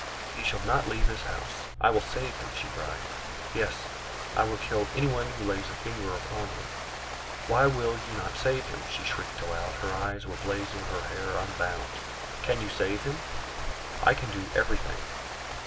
He shall not leave this house. I will save him!" she cried. "Yes; I will kill anyone who lays a finger upon him! Why will you not save him?" she shrieked aloud; her eyes were blazing, her hair unbound. "Can you save him?" "I can do everything."